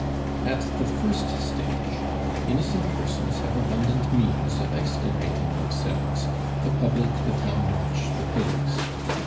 At the first stage, innocent persons have abundant means of exculpating themselves the public, the town watch, the police.